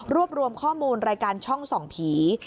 รวมข้อมูลรายการช่องส่องผี